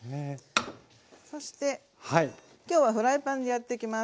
そして今日はフライパンでやってきます。